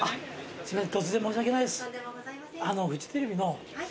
すいません。